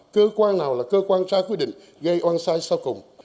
cơ quan nào là cơ quan ra quyết định gây oan sai sau cùng